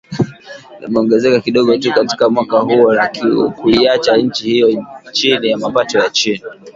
limeongezeka kidogo tu katika mwaka huo na kuiacha nchi hiyo chini ya mapato ya chini